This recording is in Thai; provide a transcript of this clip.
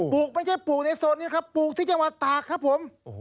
ลูกไม่ใช่ปลูกในโซนนี้ครับปลูกที่จังหวัดตากครับผม